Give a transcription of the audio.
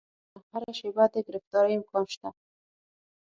هغې وویل: ګرانه، هره شیبه د ګرفتارۍ امکان شته.